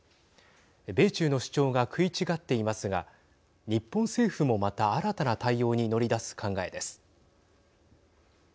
米中の主張が食い違っていますが日本政府もまた新たな対応に乗り出す考えです。